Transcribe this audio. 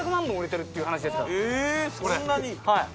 えそんなに。